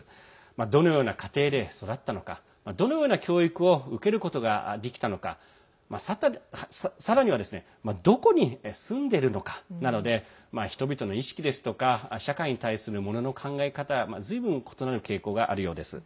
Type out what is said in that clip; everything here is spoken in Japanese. どのような家庭で育ったのかどのような教育を受けることができたのかさらにはどこに住んでいるのかなどで人々の意識ですとか社会に対する、ものの考え方はずいぶん異なる傾向があるようです。